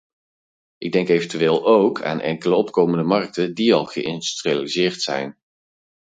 Ik denk eventueel ook aan enkele opkomende markten die al geïndustrialiseerd zijn.